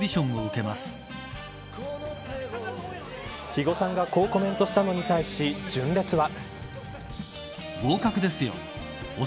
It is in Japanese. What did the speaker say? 肥後さんが、こうコメントしたのに対し純烈は。